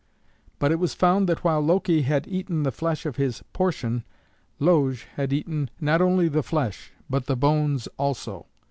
But it was found that while Loki had eaten the flesh of his portion, Loge had eaten, not only the flesh, but the bones also.